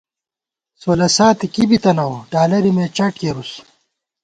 سولہ ساتی کی بی تَنَؤ ڈالَرے مےچٹ کېرُس